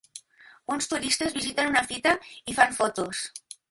Uns turistes visiten una fita i fan fotos.